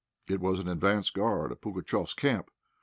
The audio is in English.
It was an advance guard of Pugatchéf's camp.